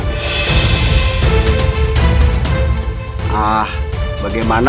ah bagaimana kalau cincin emas yang ada di jari tangan ibu kami minta